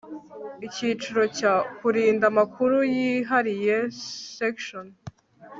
icyiciro cya kurinda amakuru yihariye sectio